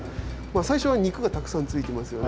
最初は肉がたくさんついてますよね？